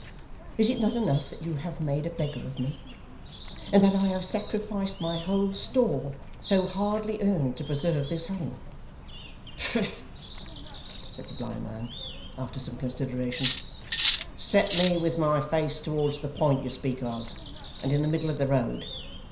Is it not enough that you have made a beggar of me, and that I have sacrificed my whole store, so hardly earned, to preserve this home?' 'Humph!' said the blind man, after some consideration. 'Set me with my face towards the point you speak of, and in the middle of the road.